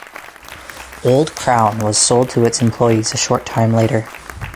Old Crown was sold to its employees a short time later.